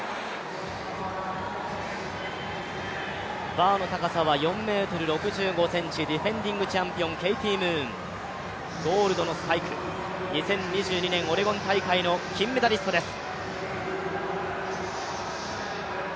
バーの高さは４ｍ６５ｃｍ、ディフェンディングチャンピオン、ケイティ・ムーン、ゴールドのスパイク、２０２２年オレゴン大会の金メダリストです。